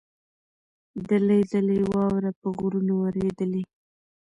دلۍ دلۍ واوره په غرونو ورېدلې.